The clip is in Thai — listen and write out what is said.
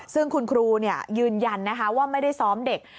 ซึ่งคุณครูยืนยันนะคะว่าไม่ได้ซ้อมเด็ก